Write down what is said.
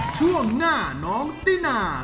ช่วงหน้าน้องตินา